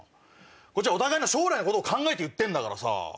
こっちはお互いの将来のことを考えて言ってんだからさ。